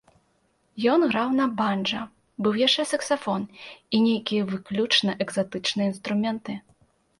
Ён граў на банджа, быў яшчэ саксафон і нейкія выключна экзатычныя інструменты.